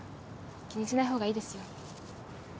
気にしないほうがいいですよ。